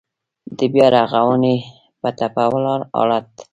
د بيا رغونې په ټپه ولاړ حالات.